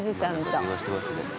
電話してますね。